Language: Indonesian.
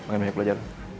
semakin banyak belajar